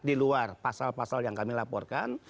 di luar pasal pasal yang kami laporkan